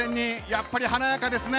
やっぱり華やかですね。